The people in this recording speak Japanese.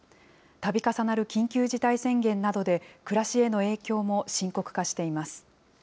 たび重なる緊急事態宣言などで暮らしへの影響も深刻化しています。